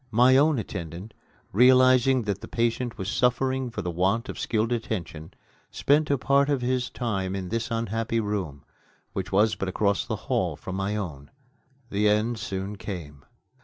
My own attendant, realizing that the patient was suffering for the want of skilled attention, spent a part of his time in this unhappy room, which was but across the hall from my own. The end soon came.